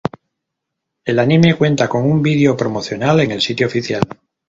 El anime cuenta con un video promocional en el sitio oficial.